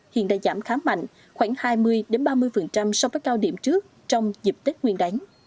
hiện đã giảm khá mạnh khoảng hai mươi ba mươi so với cao điểm trước trong dịp tết nguyên đánh